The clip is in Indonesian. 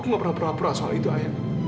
aku gak pernah pura pura soal itu ayah